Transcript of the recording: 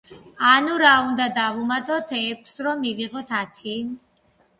ანუ, რა უნდა დავუმატოთ ექვს, რომ მივიღოთ ათი?